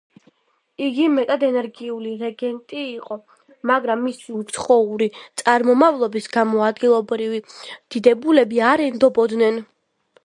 იგი მეტად ენერგიული რეგენტი იყო, მაგრამ მისი უცხოური წარმომავლობის გამო, ადგილობრივი დიდებულები არ ენდობოდნენ.